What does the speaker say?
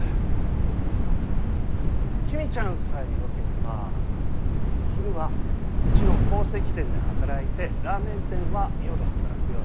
公ちゃんさえよければ昼はうちの宝石店で働いてラーメン店は夜働くようにしないか。